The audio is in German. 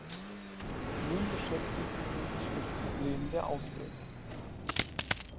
Nun beschäftigte sie sich mit Problemen der Ausbildung.